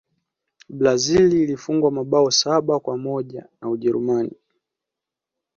brazil ilifungwa mabao saba kwa moja na ujerumani